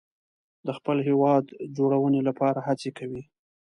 د خپل هیواد جوړونې لپاره هڅې کوي.